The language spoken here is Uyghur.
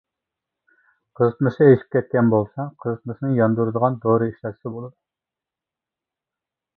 قىزىتمىسى ئېشىپ كەتكەن بولسا قىزىتمىسىنى ياندۇرىدىغان دورا ئىشلەتسە بولىدۇ.